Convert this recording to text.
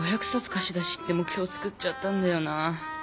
かし出しって目ひょう作っちゃったんだよなぁ。